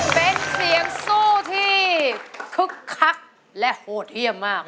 เป็นเสียงสู้ที่คึกคักและโหดเยี่ยมมาก